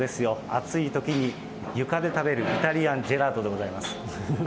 暑いときに床で食べるイタリアンジェラートでございます。